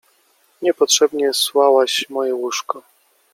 — Niepotrzebnie słałaś moje łóżko.